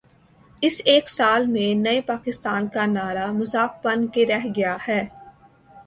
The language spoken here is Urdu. اس ایک سال میں نئے پاکستان کا نعرہ مذاق بن کے رہ گیا ہے۔